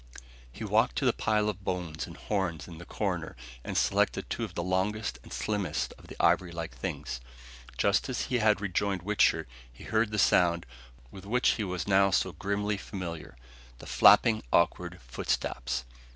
He walked to the pile of bones and horns in the corner and selected two of the longest and slimmest of the ivory like things. Just as he had rejoined Wichter he heard the sound with which he was now so grimly familiar flapping, awkward footsteps.